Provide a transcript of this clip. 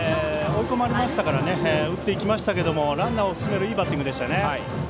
追い込まれましたから打っていきましたけどランナーを進めるいいバッティングでしたね。